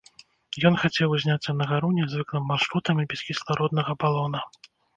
Ён хацеў узняцца на гару нязвыклым маршрутам і без кіслароднага балона.